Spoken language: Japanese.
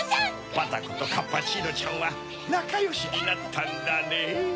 バタコとカッパチーノちゃんはなかよしになったんだねぇ。